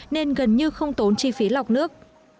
nên gần như không tốn chi phí lọc nước